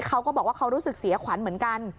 เขาก็บอกว่าเขารู้สึกเสียขวัญเหมือนกัน